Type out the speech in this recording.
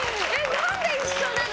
何で一緒なの！